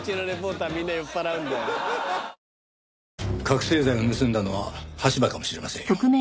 覚醒剤を盗んだのは羽柴かもしれませんよ。